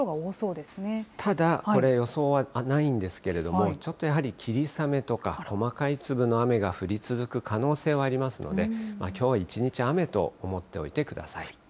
ただ、これ、予想はないんですけれども、ちょっとやはり霧雨とか、細かい粒の雨が降り続く可能性はありますので、きょう一日は雨と思っておいてください。